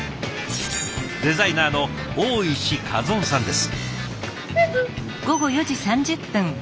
デザイナーの大石一雄さんです。